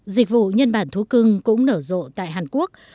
dịch vụ nhân bản thú cưng cũng nở rộ tại hàn quốc